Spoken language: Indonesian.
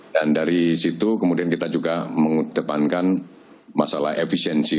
dan dari situ kemudian kita juga mengedepankan masalah efisiensi